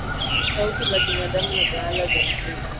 Sauti za kibinadamu na za ala za muziki